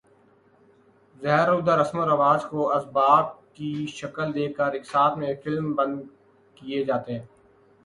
زہر آلودہ رسم و رواج کو اسباق کی شکل دے کر اقساط میں فلم بند کئے جاتے ہیں